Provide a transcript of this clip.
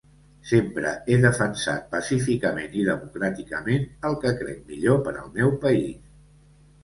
Sempre he defensat pacíficament i democràticament el que crec millor per al meu país.